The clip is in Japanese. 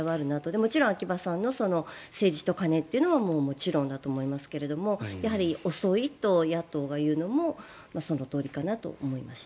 もちろん秋葉さんの政治と金というのももちろんだと思いますけれどもやはり遅いと野党が言うのもそのとおりかなと思いました。